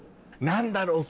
何だろう